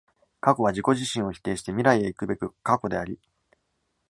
過去は自己自身を否定して未来へ行くべく過去であり、